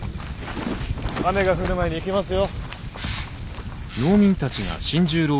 雨が降る前に行きますよ。